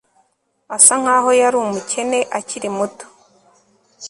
Asa nkaho yari umukene akiri muto